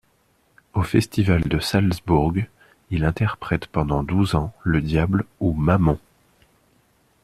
Au festival de Salzbourg, il interprète pendant douze ans le Diable ou Mammon.